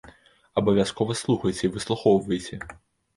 Абавязкова слухайце і выслухоўвайце!